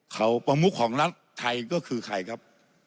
เขาประมุขของรัฐไทยก็คือใครครับ